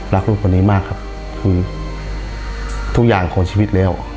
รักลูกคนนี้มากครับคือทุกอย่างของชีวิตแล้ว